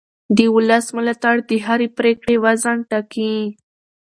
د ولس ملاتړ د هرې پرېکړې وزن ټاکي